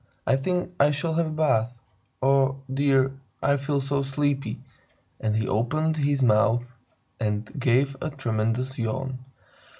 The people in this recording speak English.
"I think I shall have a bath. Oh, dear me, I feel so sleepy!" And he opened his mouth and gave a tremendous yawn.